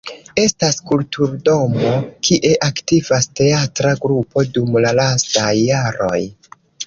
Estas kulturdomo kie aktivas teatra grupo dum la lastaj jaroj.